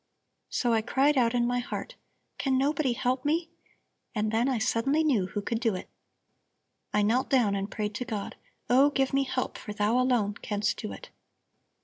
So I cried out in my heart: 'Can nobody help me?' And then I suddenly knew who could do it. I knelt down and prayed to God: 'Oh, give me help, for thou alone canst do it!'"